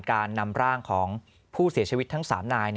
การนำร่างของผู้เสียชีวิตทั้ง๓นาย